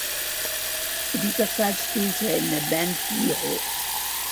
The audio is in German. Zu dieser Zeit spielte er in der Band "Siro".